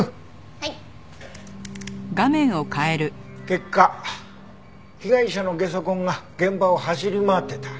結果被害者のゲソ痕が現場を走り回ってた。